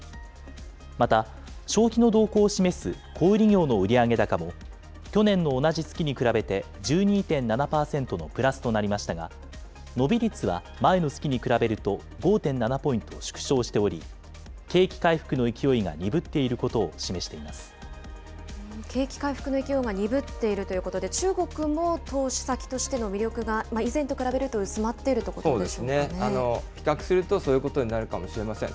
また、消費の動向を示す小売り業の売上高も、去年の同じ月に比べて１２．７％のプラスとなりましたが、伸び率は前の月に比べると５．７ポイント縮小しており、景気回復の勢いが鈍っていることを示してい景気回復の勢いが鈍っているということで、中国も、投資先としての魅力が以前と比べると薄まそうですね、比較するとそういうことになるかもしれません。